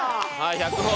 １００ほぉ。